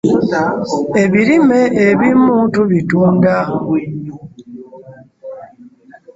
Ebirime ebimu tubitunda.